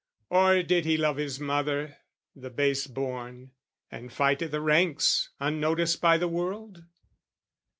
Or did he love his mother, the base born, And fight i' the ranks, unnoticed by the world?